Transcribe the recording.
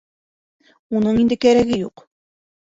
Уның инде кәрәге юҡ.